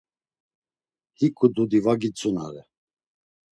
Hiǩu dudi va gitzunare.